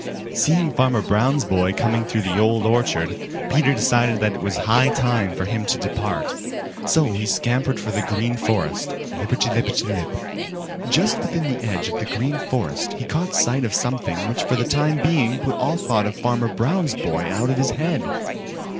Seeing Farmer Brown's boy coming through the Old Orchard Peter decided that it was high time for him to depart. So he scampered for the Green Forest, lipperty lipperty lip. Just within the edge of the Green Forest he caught sight of something which for the time being put all thought of Farmer Brown's boy out of his head.